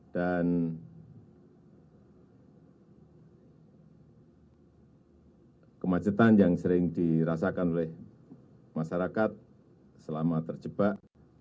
dan kemacetan yang sering dirasakan oleh masyarakat selama terjebak